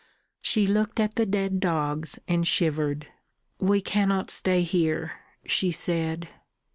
She looked at the dead dogs, and shivered. "We cannot stay here," she said.